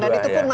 ya baru dua ya